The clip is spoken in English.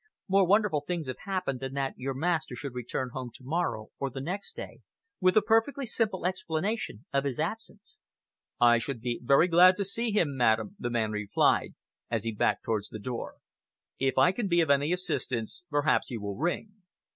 More wonderful things have happened than that your master should return home to morrow or the next day with a perfectly simple explanation of his absence." "I should be very glad to see him, madam," the man replied, as he backed towards the door. "If I can be of any assistance, perhaps you will ring."